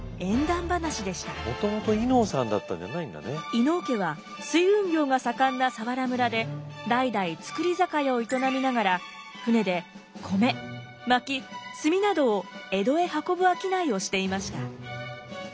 伊能家は水運業が盛んな佐原村で代々造り酒屋を営みながら船で米まき炭などを江戸へ運ぶ商いをしていました。